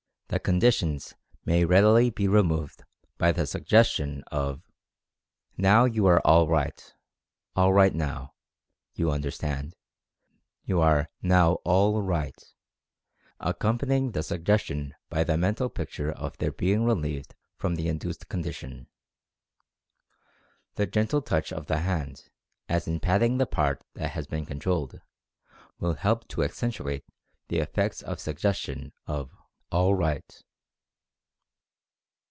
The condi tions may readily be removed by the suggestion of "Now you are all right — all right now, you under stand — you are NOW ALL RIGHT," accompanying the suggestion by the mental picture of their being relieved from the induced condition. The gentle touch of the hand, as in "patting" the part that has been controlled, will help to accentuate the effect of the suggestion of "all right."